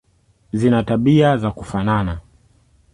Zina tabia za kufanana.